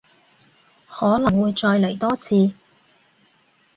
可能會再嚟多次